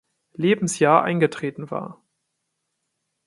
Lebensjahr eingetreten war.